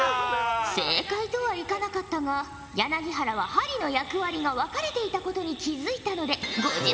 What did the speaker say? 正解とはいかなかったが柳原は針の役割が分かれていたことに気付いたので５０ほぉじゃ。